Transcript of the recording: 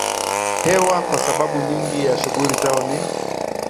hewa kwa sababu nyingi ya shughuli zao ni